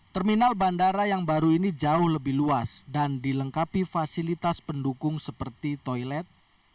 terminal bandara yang baru ini jauh lebih luas dan dilengkapi fasilitas pendukung seperti toilet